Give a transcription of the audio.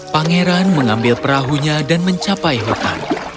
pangeran mengambil perahunya dan mencapai hutan